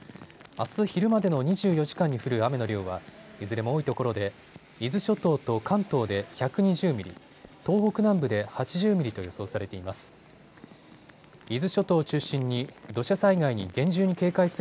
あす昼までの２４時間に降る雨の量はいずれも多いところで伊豆諸島と関東で１２０ミリ、東北南部で８０ミリと予想されています。